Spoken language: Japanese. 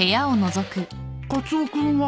カツオ君は？